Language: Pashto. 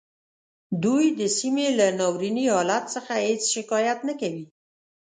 دوی د سیمې له ناوریني حالت څخه هیڅ شکایت نه کوي